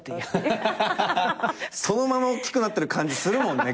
そのままおっきくなってる感じするもんね